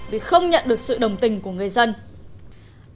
vì không nhận được sự đồng tình của người dân